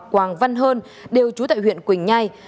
quàng văn hơn đều trú tại huyện quỳnh nhai